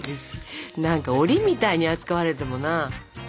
何かおりみたいに扱われてもな。